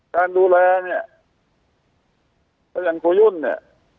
การดูแลเนี่ยอย่างครูยุ่นเนี่ย